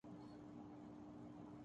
سی pack سے ہمیں کتنے فوائد حاصل ہوں گے